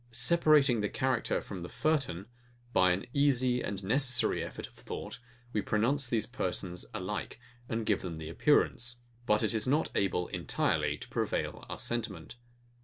Separating the character from the furtone, by an easy and necessary effort of thought, we pronounce these persons alike, and give them the appearance: But is not able entirely to prevail our sentiment.